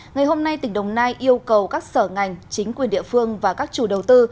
ngày hôm nay tỉnh đồng nai yêu cầu các sở ngành chính quyền địa phương và các chủ đầu tư